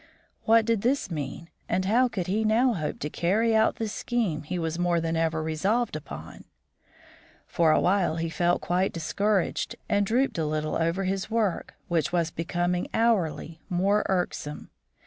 What did this mean, and how could he now hope to carry out the scheme he was more than ever resolved upon? For a while he felt quite discouraged, and drooped a little over his work, which was becoming hourly more irksome.